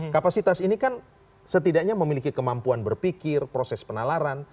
kapasitas ini kan setidaknya memiliki kemampuan berpikir proses penalaran